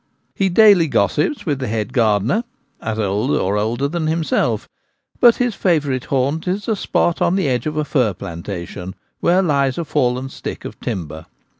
He daily gossips with the head gardener (nominal), as old or older than himself; but his favourite haunt is a spot on the edge of a fir planta tion where lies a fallen ' stick ' of timber.